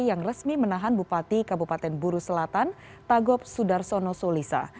yang resmi menahan bupati kabupaten buru selatan tagop sudarsono solisa